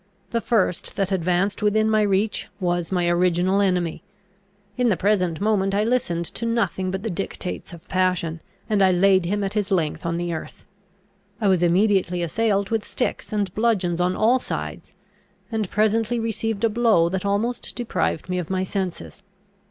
The first that advanced within my reach, was my original enemy. In the present moment I listened to nothing but the dictates of passion, and I laid him at his length on the earth. I was immediately assailed with sticks and bludgeons on all sides, and presently received a blow that almost deprived me of my senses.